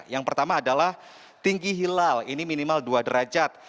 yang pertama adalah tinggi hilal ini minimal dua derajat